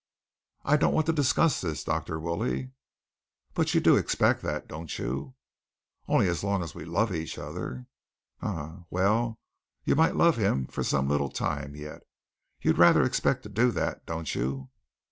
"I don't want to discuss this, Dr. Woolley." "But you do expect that, don't you?" "Only as long as we love each other." "Um, well, you might love him for some little time yet. You rather expect to do that, don't you?"